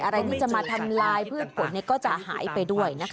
อะไรที่จะมาทำลายเพื่อนผลก็จะหายไปด้วย